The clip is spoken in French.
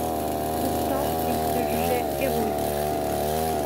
Pourtant il se jugeait héroïque.